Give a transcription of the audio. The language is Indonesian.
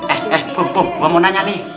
eh eh kum kum gue mau nanya nih